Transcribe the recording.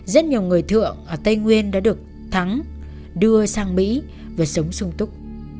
rất nhiều người thượng ở tây nguyên đã được thắng đưa sang mỹ và sống sung túc